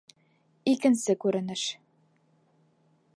Икенсе күренеш